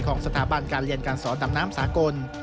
สถาบันการเรียนการสอนดำน้ำสากล